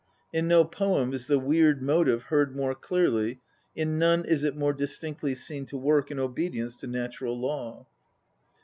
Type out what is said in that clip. In no poem is the Weird motive heard more clearly, in none is it more distinctly seen to work in obedience to natural law.